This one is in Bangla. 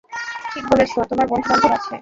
ঠিক বলেছ, তোমার বন্ধু-বান্ধব আছে।